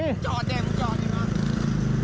มันจอดเนี่ยมันจอดเนี่ย